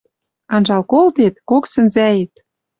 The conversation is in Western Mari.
Анжал колтет — кок сӹнзӓэт